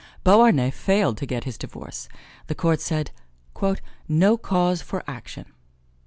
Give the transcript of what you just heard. Beauharnais failed to get his divorce. The court said "no cause for action."